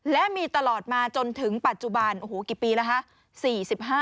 และมีตลอดมาจนถึงปัจจุบันโอ้โหกี่ปีแล้วคะ